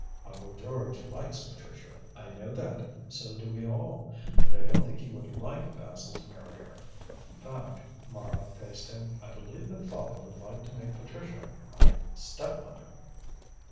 "Uncle George likes Patricia." "I know that: so do we all. But I don't think he would like Basil to marry her. In fact," Mara faced him, "I believe that father would like to make Patricia my step mother."